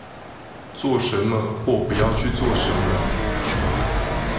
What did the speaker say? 做什麼或不要去做什麼